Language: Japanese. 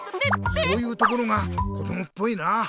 そういうところがこどもっぽいな。